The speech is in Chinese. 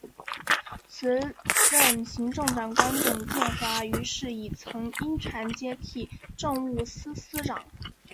时任行政长官董建华于是以曾荫权接替政务司司长。